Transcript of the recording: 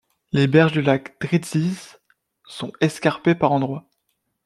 Les berges du lac Drīdzis sont escarpées par endroits.